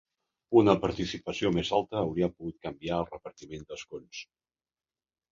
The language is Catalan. Una participació més alta hauria pogut canviar el repartiment d'escons.